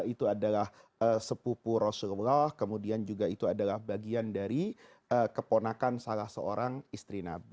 itu adalah sepupu rasulullah kemudian juga itu adalah bagian dari keponakan salah seorang istri nabi